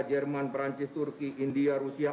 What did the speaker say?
jerman perancis turki india rusia